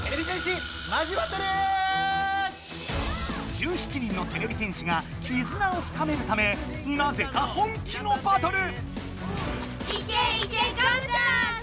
１７人のてれび戦士がきずなをふかめるためなぜか本気のバトル！